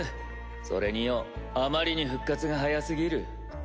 それによあまりに復活が早過ぎる。